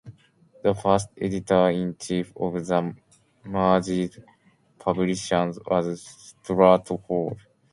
The first editor-in-chief of the merged publication was Stuart Hall.